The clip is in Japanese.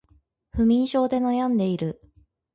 不眠症で悩んでいる